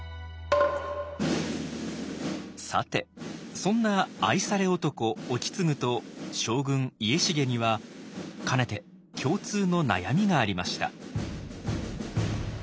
さてそんな愛され男意次と将軍家重にはかねて共通の悩みがありました。